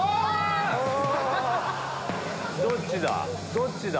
どっちだ？